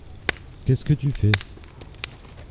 Qu’est-ce que tu fais ?